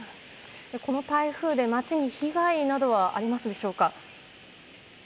この台風で街に被害などはありますでしょうか。